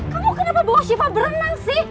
kamu kenapa bawa siva berenang sih